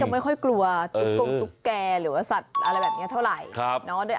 มักจะไม่ค่อยกลัวตุ๊กแกหรือสัตว์อะไรแบบนี้เท่าไหร่